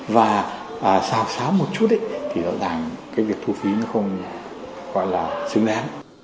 và xào xáo một chút thì rõ ràng cái việc thu phí nó không gọi là xứng đáng